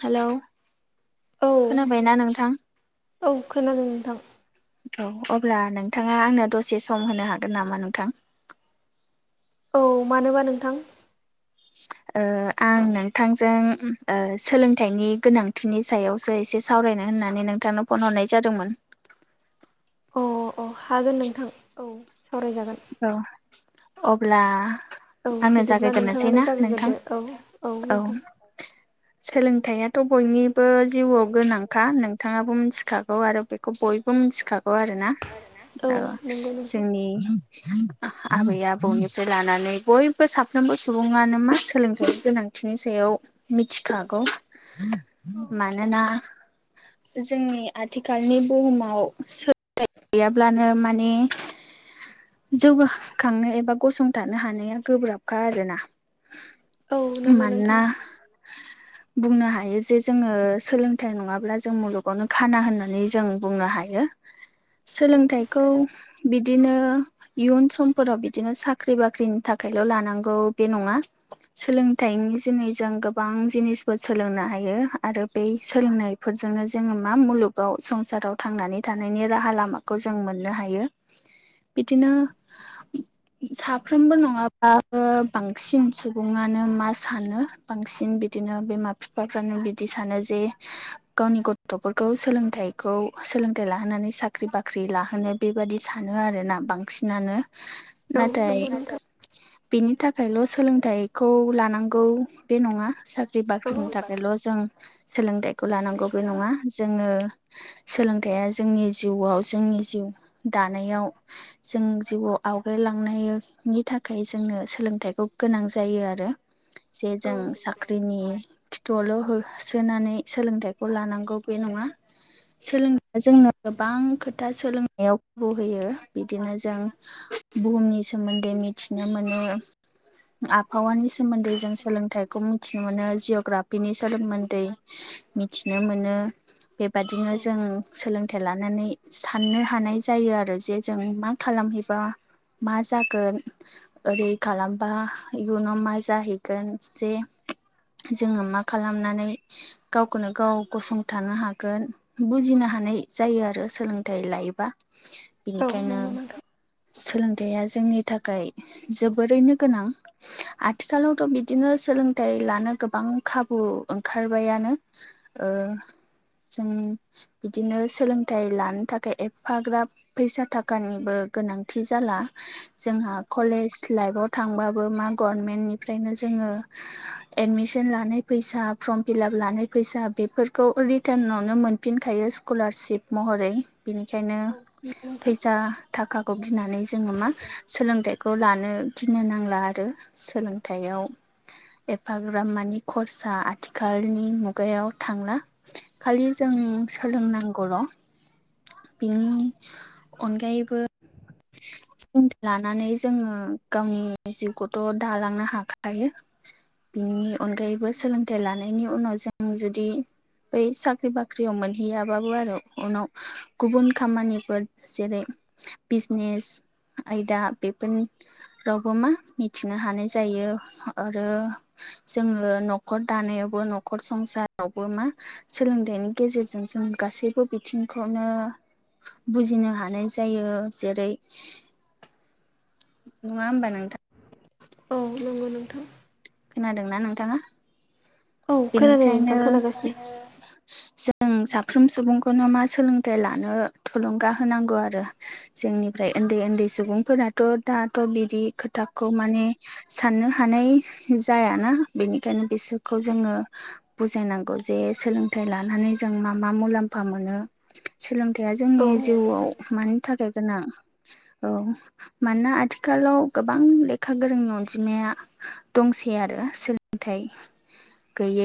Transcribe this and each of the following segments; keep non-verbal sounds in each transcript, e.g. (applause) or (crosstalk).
Hello औ खोनाबायना नोंथां? औ खोनादों नोंथां औ अब्ला नोंथाङा आंनो दसे सम होनो हागोन नामा नोंथां? औ मानोबा नोंथां? ओ आं नोंथांजों ओ सोलोंथाइनि गोनांथिनि सायावसो एसे सावरायनो होननानै नोंथांनो फन हरनाय जादोंमोन। अ अ हागोन नोंथां औ सावरायजागोन औ अब्ला औ आंनो बिदिब्ला जागायग्रोनोसै नोंथाङानो ना नोंथां जागायजेनदो औ औ नोंथां सोलोंथाइआथ' बयनिबो जिउआव गोनांखा नोंथाङाबो मिथिखागौ आरो बे खौ बयबो मिथिखागौ आरोना औ नंगौ नोंथां जोंनि आबै आबौनिफ्राय लानानै बयबो साफ्रोमबो सुबुङानो मा सोलोंथाइ गोनां थिनि सायाव मिथिखागौ। औ मानोना जोंनि आथिखालनि बुहुमाव सोलोंथाइ गैयाब्लानो माने जौगाखांनो एबा गसंथानो हानाया गोब्राबखा आरोना। औ नंगौ मानोना नोंथां बुंनो हायो जे जोङो सोलोंथाइ नङाब्ला जों मुलुगावनो खाना होननानै जों बुंनो हायो। औ सोलोंथाइखौ बिदिनो इयुन समफोराव बिदिनो साख्रि बाख्रिनि थाखायल' लानांगौ बे नङा। सोलोंथाइनि जुनै जों गोबां जिनिसफोर सोलोंनो हायो आरो बे सोलोंनाय बेफोरजोंनो जोङो मा मुलुगाव संसाराव थांनानै थानायनि राहा लामाखौ जों मोननो हायो। बिदिनो साफ्रोमबो नङाब्लाबो बांसिन सुबुङानो मा सानो बांसिन बिदिनो बिमा बिफाफ्रानो बिदि सानो जे गावनि गथ'फोरखौ सोलोंथाइ खौ सोलोंथाइ लाहोनानै साख्रि बाख्रि लाहोनो बेबादि सानो आरो ना। बांसिनानो औ नाथाय नंगौ नोंथां बेनि थाखायल' सोलोंथाइखौ लानांगौ बे नङा साख्रि साख्रि औ बाख्रिनि थाखायल' जों सोलोंथायाइखौ लानांगौ बे नङा। जोङो सोलोंथाइया जोंनि जिउआव जोंनि जिउ दानायाव जों जिउआव आवगायलांनायनि थाखाय जोंनो सोलोंथायाइखौ गोनां जायो आरो जे औ जों साख्रिनि खिथुआवल' होसोनानै सोलोंथाइखौ लानांगौ बे नङा सोलोंनाया जोंनो गोबां खोथा सोलोंनायाव खाबु होयो। बिदिनो जों बुहुमनि सोमोन्दै मिथिनो मोनो। आबहावानि सोमोन्दै जों सोलोंथाइखौ मिथि मिथिनो मोनो जिअ'ग्राफिनि सोमोन्दै मिथिनो मोनो। बेबादिनो जों सोलोंथाइ लानानै साननो हानाय जायो आरो जे जों मा खालामहैबा मा जागोन ओरै खालामबा इयुनाव मा जाहैगोन जे जोङो मा खालामनानै गावखौनो गाव गसंथानो हागोन। बुजिनो हानाय जायो आरो सोलोंथाइ लायोबा औ बेनिखायनो नंगौ नोंथां सोलोंथाइया जोंनि थाखाय जोबोरैनो गोनां आथिखालावथ' बिदिनो सोलोंथाइ लानो गोबां खाबु ओंखारबायानो ओ जों बिदिनो सोलोंथाइ लानो थाखाय एफाग्राब फैसा थाखानिबो गोनांथि जाला जोंहा औ कलेज लाइफआव थांबाबो मा गरमेन्टनिफ्रायनो जोङो एडमिसन लानाय फैसा फर्म फिलाप लानाय फैसा बेफोरखौ ओरै टानावनो मोनफिनखायो स्कुलारशिप महरै बेनिखायनो नंगौ नोंथां फैसा थाखाखौ गिनानै जोङो मा सोलोंथाइ खौ लानो गिनो नांला आरो सोलोंथाइयाव एफाग्रामानि कर्साआ आथिखालनि मुगायाव थांला खालि जों सोलोंनांगौल' बिनि अनगायैबो सोलोंथाइ लानानै जोङो गावनि जिउखौथ' दालांनो हाखायो। बिनि अनगायैबो सोलोंथाइ लानायनि उनाव जों जुदि बै साख्रि बाख्रियाव मोनहैयाबाबो आरो उनाव गुबुन खामानि फोर जेरै बिजनेस आयदा बेफोरनि रावबो मा मिथिनो हानाय जायो आरो जोंङो न'खर दानायावबो न'खर संसारावबो मा सोलोंथाइनि गेजेरजों जों गासैबो बिथिंखौनो बुजिनो हानाय जायो जेरै नङा होमबा नोंथां औ नंगौ नोंथां खोनादोंना नोंथाङा? औ खोनादों नोंथां बेनिखायनो खोनागासिनो जों साफ्रोम सुबुंखौनो मा सोलोंथाइ लानो थुलुंगा होनांगौ आरो जोंनिफ्राय उन्दै उन्दै सुबुंफोराथ' दाथ' बिदि खोथाखौ माने साननो हानाय जायाना बेनिखायनो बिसोरखौ जोङो बुजायनांगौ जे सोलोंथाइ लानानै जों मा मा मुलाम्फा मोनो। सोलोंथाइया औ जोंनि जिउआव मानि थाखाय गोनां औ मानोना आथिखालाव गोबां लेखा गोरोंनि अनजिमाया दंसै आरो सोलोंथाइ गैयै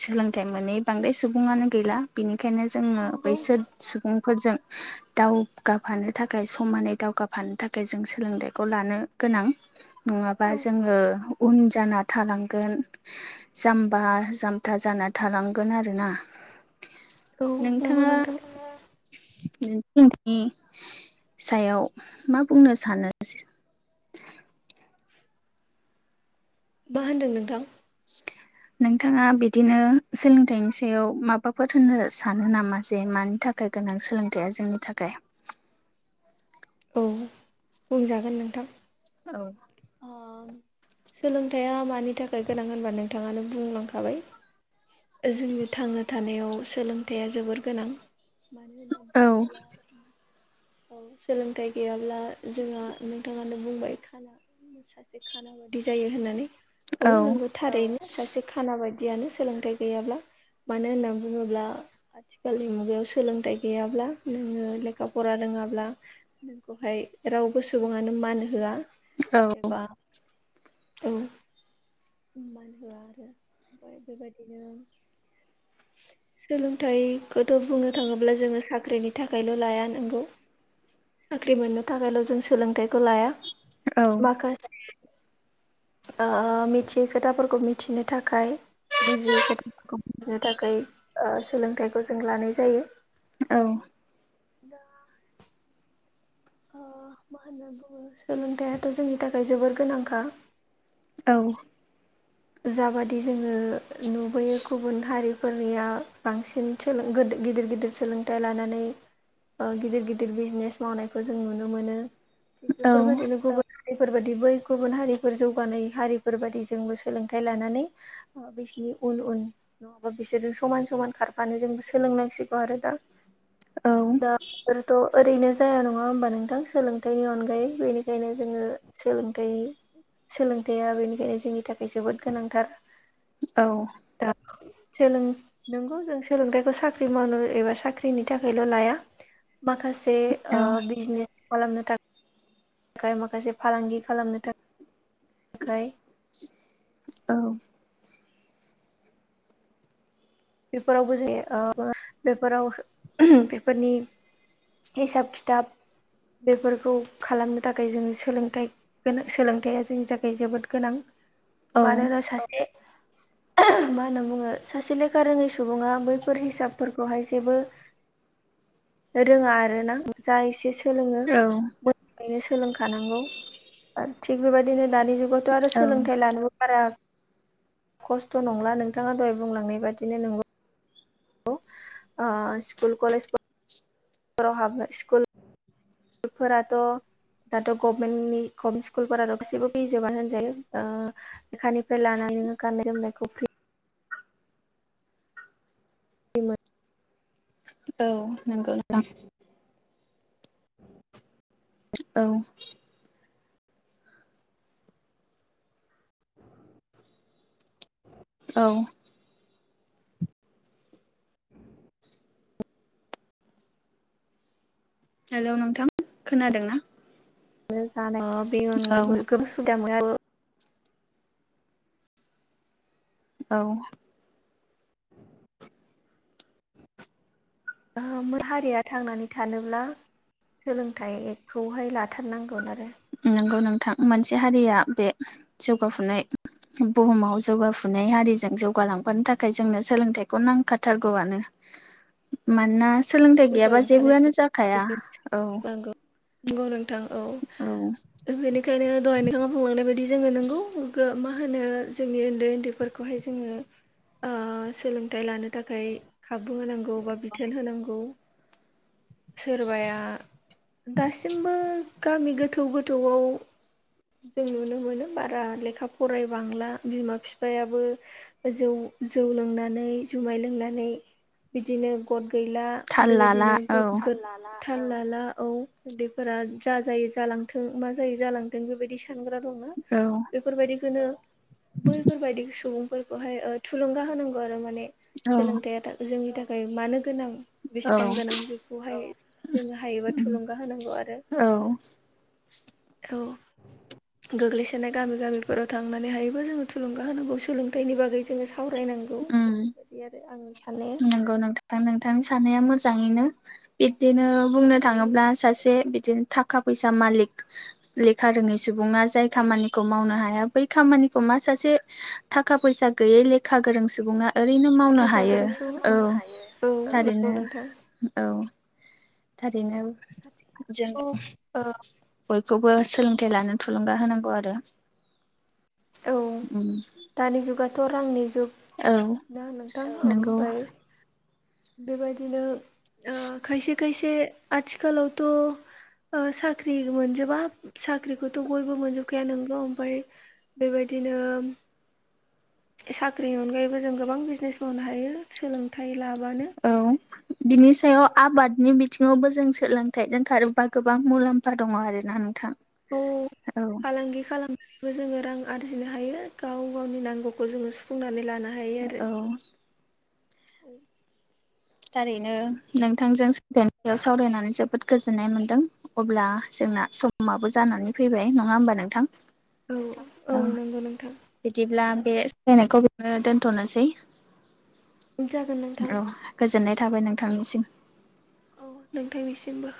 सोलोंथाइ मोनै बांद्राय सुबुङानो गैला बिनिखायनो जोंङो नंगौ बैसोर सुबुंफोरजों दावगाफानो थाखाय समानै दावगाफानो थाखाय जों सोलोंथाइखौ लानो गोनां नङाबा औ जोंङो उन जाना थालांगोन जाम्बा जाम्था जाना थालांगोन आरोना। औ नंगौ नोंथाङा नोंथां नि सायाव मा बुंनो सानो (inaudible) मा होनदों नोंथां (inaudible) नोंथाङा बिदिनो सोलोंथाइनि सायाव माबाफोर होननो सानो नामा जे मानि था खाय गोनां सोलोंथाइया जोंनि थाखाय औ बुंजागोन नोंथां औ अ सोलोंथाइया मानि थाखाय गोनां होनबा नोंथाङानो बुंलांखाबाय जोंनि थांना थानायाव सोलोंथाइया जोबोर गोनां मानो होनना औ बुंङोब्ला औ सोलोंथाइ गैयाब्ला जोंहा नोंथाङानो बुंबाय खाना सासे खाना बायदि जायो होननानै औ नोंगौ थारैनो सासे खाना बायदियानो सोलोंथाइ गैयाब्ला मानो होनना बुङोब्ला आथिखालनि मुगायाव सोलोंथाइ गैयाब्ला नोङो लेखा फरा रोङाब्ला नोंखौहाय रावबो सुबुङानो मान होआ औ एबा औ मान होआ आरो ओमफ्राय बेबायदिनो सोलोंथाइखौथ' बुंनो थाङोब्ला जोंङो साख्रिनि थाखायल' लाया नंगौ साख्रि मोननो थाखायल' जों सोलोंथाइखौ लाया औ माखासे आ मिथियै खोथाफोरखौ मिथिनो थाखाय बुजियै खोथाफोरखौ बुजिनो थाखाय आ सोलोंथाइखौ जों लानाय जायो। औ दा आ मा होनना बुङो सोलोंथाइयाथ' जोंनि थाखाय जोबोर गोनांखा औ जाबादि जोंङो नुबोयो गुबुन हारि फोरनिया बांसिन सोलों गिदिर गिदिर सोलोंथाइ लानानै गिदिर गिदिर बिजनेस मावनायखौ जों नुनो मोनो। थिग बेफोरबायदिनो गुबुन हारिफोर बादि बै गुबुन हारिफोर जौगानाय हारिफोर बायदि जोंबो सोलोंथाइ लानानै बिसिनि उन उन नङाबा बिसोरजों समान समान खारफानो जोंबो सोलोंनांसिगौ आरो दा दा फोरथ' ओरैनो जाया नङा होमबा नोंथां सोलोंथाइनि अनगायै बेनिखायनो जोङो सोलोंथाय सोलोंथायाइया बेनिखायनो जोंनि थाखाय जोबोद गोनांथार। औ दा सोलों नोंगौ जों सोलोंथाइखौ साख्रि मावनो एबा साख्रिनि थाखायल' लाया। माखासे बिजनेस खालामनो था खाय माखासे फालांगि खालामनो था खाय औ बेफोरावबो जायो बेफोराव बेफोरनि हिसाब खिथाब बेफोरखौ खालामनो थाखाय जों सोलोंथाइ गोनां सोलोंथाइया जोंनि थाखाय जोबोद गोनां मानोना सासे मा होनना बुङो सासे लेखा लेखा रोङै सुबुङा बैफोर हिसाबफोरखौहाय जेबो रोङा आरो ना जा एसे सोलोङो बेनो सोलोंखानांगौ थिग बेबायदिनो दानि जु अथ' आरो सोलोंथाइ लानोबो बारा खस्थ' नंला नोंथाङा दहाय बुंलांनाय बादिनो नोंगौ। ओ स्कुल कलेज फोराव हाबनो स्कुल फोराथ' दाथ' गभमेन्टनि गभमेन्ट स्कुलफोराथ' गासैबो फैजोबानो होनजायो ओ लेखानिफ्राय लानानै गाननाय जोमनायखौ फ्रि बिम औ नंगौ। औ औ। हेलौ नोंथां खोनादों ना जानायाव बे औ अनगायैबो गोबां सुबिदा मोनो आरो औ। हारिया थांनानै थानोब्ला सोलोंथाइखौहाय लाथारनांगोन आरो नंगौ नोंथां मोनसे हारिया बे जौगाफुनाय बुहुमाव जौगाफुनाय हारिजों जौगालांफानो थाखाय जोंनो सोलोंथाइखौ नांखाथारगौआनो मानोना सोलोंथाइ गैयाबा जौगालांफानो जेबोआनो जाखाया औ नांगौ नंगौ नोंथां औ बेनि ओंखायनो दहाय नोंथांआ बुंलांनाय बायदि जोङो नंगौ मा होनो जोंनि उन्दै उन्दैफोरखौहाय जोङो ओ सोलोंथाइ लानो थाखाय खाबु होनांगौ बा बिथोन होनांगौ। सोरबाया दासिमबो गामि गोथौ गोथौआव जों नुनो मोनो बारा लेखा फरायबांला बिमा बिफायाबो जौ जौ लोंनानै जुमाय लोंनानै बिदिनो गद गैला थाल लाला बेबायदिनो औ गोरा थाल लाला औ उन्दैफोरा जा जायै जालांथों मा जाय जालांथों बेबायदि सानग्रा दं औ बेफोरबायदिखौनो बैफोरबायदि सुबुं बेखौहाय थुलुंगा होनांगौ आरो माने औ सोलोंथाइया जोंनि थाखाय मानो गोनां औ बेसेबां गोनां बेखौहाय जोङो हायोबा थुलुंगा होनांगौ आरो औ औ गोग्लैसोनाय गामि गामिफोराव थांनानै हायोबा जोङो थुलुंगा होनांगौ सोलोंथाइनि बागै जोङो सावरायनांगौ। गौ उम बेफोरबायदि आरो आंनि साननाया था नोंथां सानाया मोजाङैनो बिदिनो बुंनो औ थाङोब्ला सासे बिदि थाखा फैसा मालक लेखा रोङै सुबुङा जाय खामानिखौ मावनो हाया बै खामानिखौ मा सासे थाखा फैसा गैयै लेखा गोरों सुबुङा ओरैनो मावनो लेखा हायो गोरों औ सुबुं औ नंगौ थारैनो नोंथां औ थारैनो जों आथिखालावथ' बयखौबो सोलोंथाइ लानो थुलुंगा होनांगौ आरो ओ औ उम दानि जुगाथ' रांनि जुग औ दा नोंथां नंगौ ओमफ्राय बेबायदिनो खायसे खायसे आथिखालावथ' साख्रि मोनजोबा साख्रिखौथ' बयबो मोनजोबखाया नोंगौ ओमफ्राय बेबायदिनो साख्रिनि अनगायैबो जों गोबां बिजनेस मावनो हायो सोलोंथाइ लाबानो औ बिनि सायाव आबादनि बि थिङावबो जों सोलोंथाइजों खारोबा गोबां मुलाम्फा दङ' आर ना नोंथां। औ औ फालांगि खालाम जोङो रां आरजिनो हायो गाव गावनि नांगौखौ जोङो सुफुंनानै लानो हायो आरो। औ औ थारैनो नोंथांजों (unintelligible) सावरायनानै जोबोद गोजोननाय मोन्दों अब्ला जोंना समाबो जानानै फैबाय नङा होमबा नोंथां? औ औ नंगौ नोंथां बिदिब्ला बे (unintelligible) दोनथ'नोसै जागोन नोंथां औ गोजोननाय थाबाय नोंथांनिसिम। औ नोंथांनिसिमबो।